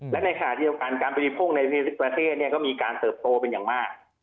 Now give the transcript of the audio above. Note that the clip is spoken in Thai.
และในขณะที่เราการปฏิพร่งในประเทศก็มีการเสิร์ฟโตเป็นอย่างมาก